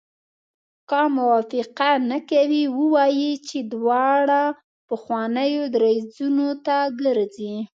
که موافقه نه کوي ووایي چې دواړه پخوانیو دریځونو ته ګرځي.